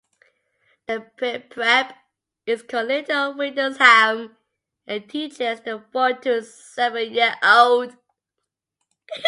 The pre-prep is called Little Windlesham and teaches the four- to seven-year-olds.